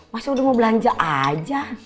masa udah mau belanja aja